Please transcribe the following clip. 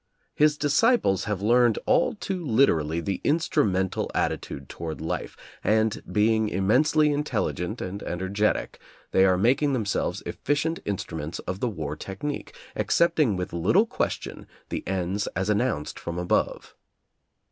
His disciples have learned all too literally the instrumental attitude toward life, and, being immensely intelligent and energetic, they are mak ing themselves efficient instruments of the war technique, accepting with little question the ends as announced from above.